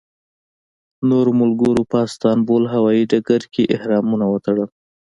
نورو ملګرو په استانبول هوایي ډګر کې احرامونه وتړل.